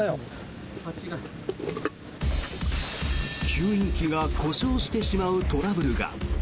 吸引器が故障してしまうトラブルが。